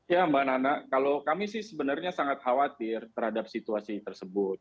ya mbak nana kalau kami sih sebenarnya sangat khawatir terhadap situasi tersebut